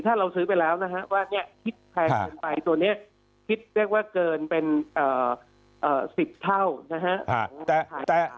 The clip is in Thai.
ถ้าเราซื้อไปแล้วนะฮะว่าคิดแพงเกินไปตัวนี้คิดเรียกว่าเกินเป็น๑๐เท่านะฮะ